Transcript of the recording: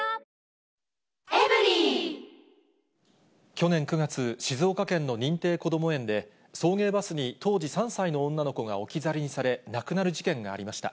去年９月、静岡県の認定こども園で、送迎バスに当時３歳の女の子が置き去りにされ、亡くなる事件がありました。